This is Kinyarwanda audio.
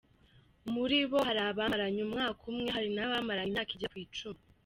Muri bo hari abamaranye umwaka umwe, hari n’abamaranye imyaka igera ku icumi.